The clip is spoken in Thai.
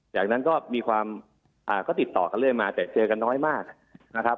จากนั้นก็มีความก็ติดต่อกันเรื่อยมาแต่เจอกันน้อยมากนะครับ